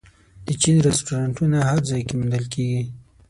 د چین رستورانتونه هر ځای کې موندل کېږي.